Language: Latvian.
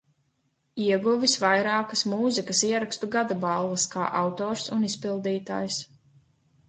Ieguvis vairākas Mūzikas Ierakstu Gada balvas kā autors un izpildītājs.